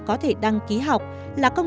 có thể đăng ký học là